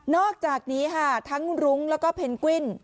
อกจากนี้ค่ะทั้งรุ้งแล้วก็เพนกวิน